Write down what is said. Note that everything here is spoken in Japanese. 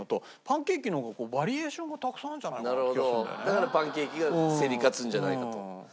だからパンケーキが競り勝つんじゃないかと。